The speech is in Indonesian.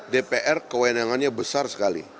dpr kewenangannya besar sekali